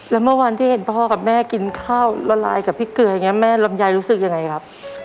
แล้วเมื่อวันที่เห็นพ่อกับแม่กินข้าวละลายกับพี่เกลืออย่างนี้แม่ลำไยรู้สึกยังไงครับ